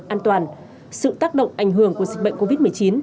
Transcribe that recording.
an toàn sự tác động ảnh hưởng của dịch bệnh covid một mươi chín